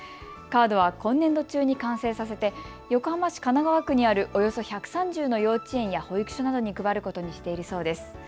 カードは今年度中に完成させて横浜市神奈川区にあるおよそ１３０の幼稚園や保育所などに配ることにしているそうです。